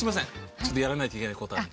ちょっとやらないといけないことあって。